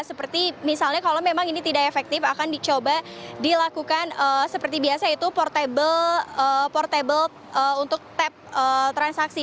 seperti misalnya kalau memang ini tidak efektif akan dicoba dilakukan seperti biasa yaitu portable portable untuk tap transaksi